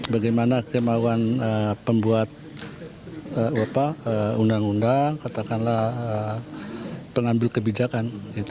bagaimana kemauan pembuat undang undang katakanlah pengambil kebijakan